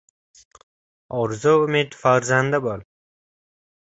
— Orzu-umid farzandi bo‘l.